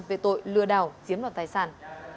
về tội lừa đảo chiếm loạt tài sản